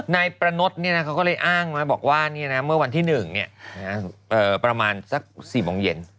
นายประนดเขาก็เลยอ้างไว้บอกว่าเมื่อวันที่๑ประมาณสัก๔โมงเย็น